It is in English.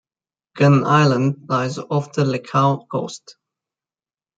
Gunn Island lies off the Lecale coast.